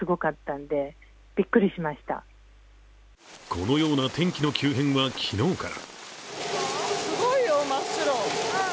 このような天気の急変は昨日から。